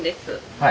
はい。